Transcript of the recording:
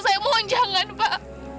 saya mohon jangan pak